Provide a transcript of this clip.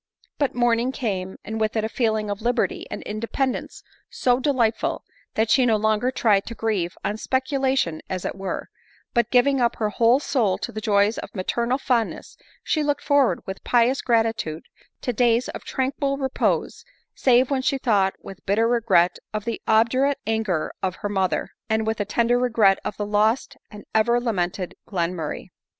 But morning came, and with it a feeling of liberty and independence so delightful, that she no longer tried to grieve on speculation as it were ; but giving up her Whole soul to the joys of maternal fondness, she looked forward with pious gratitude to days of tranquil repose, save when she thought with bitter regret of the obdurate anger of her mother, and with tender regret of the lost and ever lamented Glenmurray.